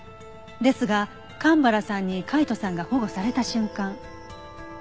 ですが蒲原さんに海斗さんが保護された瞬間。